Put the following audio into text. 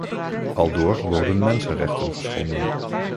Aldoor worden mensenrechten geschonden.